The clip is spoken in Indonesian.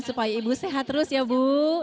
supaya ibu sehat terus ya bu